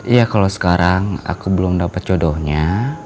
ya kalo sekarang aku belum dapet jodohnya